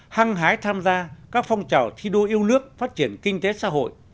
hăng hái tham gia các phong trào thi đua yêu nước phát triển kinh tế xã hội